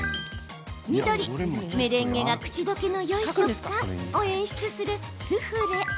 緑・メレンゲが口溶けのよい食感を演出する、スフレ。